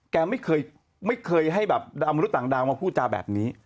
แกไม่เคยให้แบบดำมนุษย์ต่างดาวมาพูดจาแบบนี้